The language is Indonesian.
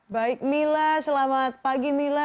baik mila selamat pagi mila